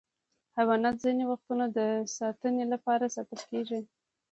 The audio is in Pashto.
حیوانات ځینې وختونه د ساتنې لپاره ساتل کېږي.